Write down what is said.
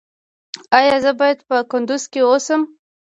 ایا زه باید په کندز کې اوسم؟